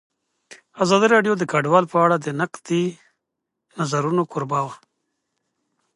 ازادي راډیو د کډوال په اړه د نقدي نظرونو کوربه وه.